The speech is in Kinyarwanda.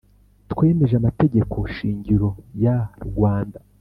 Twemeje amategeko shingiro ya rwanda